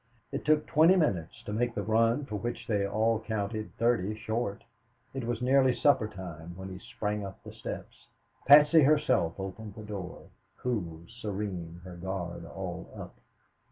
It took twenty minutes to make the run for which they all counted thirty short. It was nearly supper time when he sprang up the steps. Patsy herself opened the door; cool, serene, her guards all up.